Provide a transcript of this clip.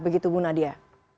begitu bu nadia